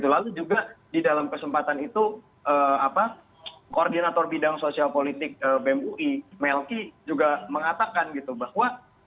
lalu juga di dalam kesempatan itu koordinator bidang sosial politik bem ui melki juga mengatakan gitu bahwa